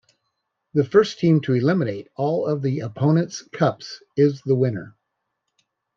The first team to eliminate all of the opponent's cups is the winner.